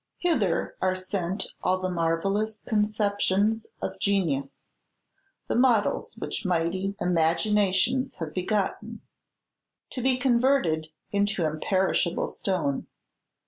Hither are sent all the marvellous conceptions of genius, the models which mighty imaginations have begotten, to be converted into imperishable stone.